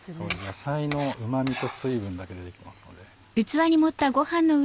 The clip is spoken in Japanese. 野菜のうま味と水分だけでできてますので。